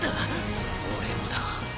俺もだ